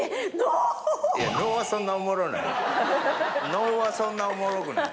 「の」はそんなおもろくない。